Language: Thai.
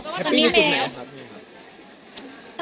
แฮปปี้ที่จุดไหนครับ